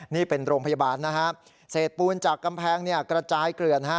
นี่เป็นโรงพยาบาลนะฮะเศษปูนจากกำแพงเนี่ยกระจายเกลื่อนฮะ